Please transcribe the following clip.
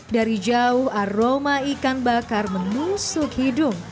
dari jauh aroma ikan bakar menusuk hidung